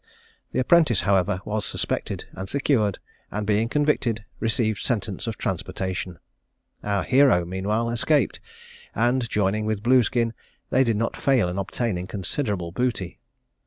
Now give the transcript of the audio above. The apprentice, however, was suspected, and secured, and being convicted, received sentence of transportation. Our hero meanwhile escaped, and joining with Blueskin, they did not fail in obtaining considerable booty.